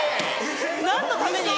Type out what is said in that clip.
何のために？